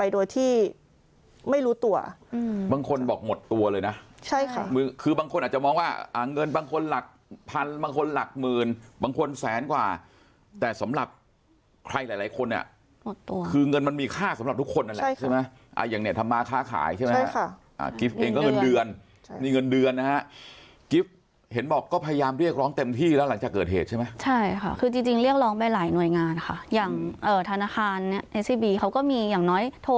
โดยที่ไม่รู้ตัวบางคนบอกหมดตัวเลยนะใช่ค่ะคือบางคนอาจจะมองว่าเงินบางคนหลักพันบางคนหลักหมื่นบางคนแสนกว่าแต่สำหรับใครหลายคนเนี่ยหมดตัวคือเงินมันมีค่าสำหรับทุกคนนั่นแหละใช่ไหมอย่างเนียนธรรมาค่าขายใช่ไหมครับใช่ค่ะกิฟต์เองก็เงินเดือนมีเงินเดือนนะครับกิฟต์เห็นบอกก็พยายามเรียกร้